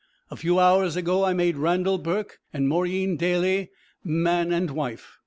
A few hours ago I made Randal Burke and Mauryeen Daly man and wife.